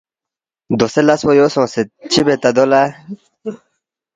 دوسے لس پو دیُو سونگسید، چِہ بے تا دو لہ؟“